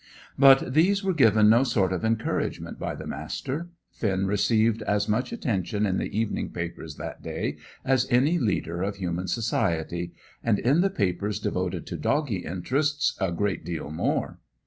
But these were given no sort of encouragement by the Master. Finn received as much attention in the evening papers that day as any leader of human society; and in the papers devoted to doggy interests, a great deal more.